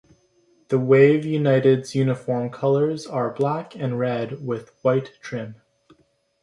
The Wave United's uniform colors are Black and Red with White trim.